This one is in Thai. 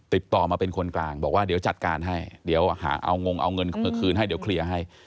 ติดต่อมาเป็นคนกลางบอกว่าเดี๋ยวจัดการให้เดี๋ยวหาเอางงเอาเงินมาคืนให้เดี๋ยวเคลียร์ให้